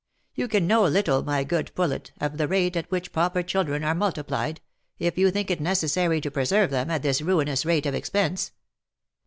You can know little my good Poulet of the rate at which pauper children are multiplied, if you think it necessary to preserve them at this ruinous rate of expence.